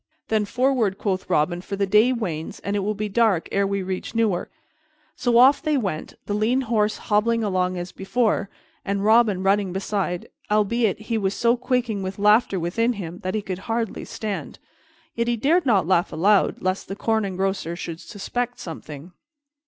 "Then forward," quoth Robin, "for the day wanes and it will be dark ere we reach Newark." So off they went, the lean horse hobbling along as before, and Robin running beside, albeit he was so quaking with laughter within him that he could hardly stand; yet he dared not laugh aloud, lest the Corn Engrosser should suspect something.